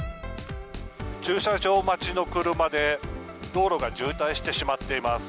駐車場待ちの車で、道路が渋滞してしまっています。